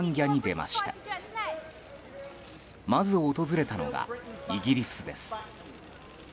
まず訪れたのが、イギリスです。